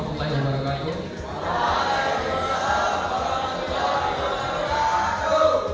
assalamualaikum warahmatullahi wabarakatuh